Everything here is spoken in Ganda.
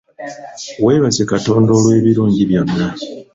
Weebaze Katonda olw'ebirungi byonna .